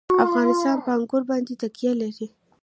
افغانستان په انګور باندې تکیه لري.